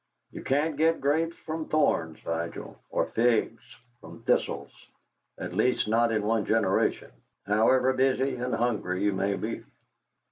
You can't get grapes from thorns, Vigil, or figs from thistles at least, not in one generation however busy and hungry you may be!"